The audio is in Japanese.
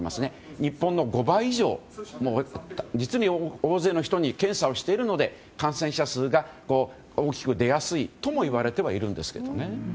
日本の５倍以上実に大勢の人に検査をしているので感染者数が大きく出やすいともいわれてはいるんですけどね。